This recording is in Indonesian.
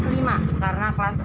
kelas lima karena kelas enam sudah